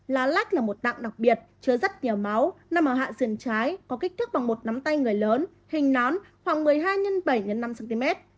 lá lách là một tạng đặc biệt chứa rất nhiều máu nằm ở hạ sườn trái có kích thước bằng một nắm tay người lớn hình nón khoảng một mươi hai x bảy x năm cm